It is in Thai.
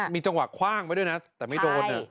มีจังหวะคว่างไว้ด้วยนะแต่ไม่โดน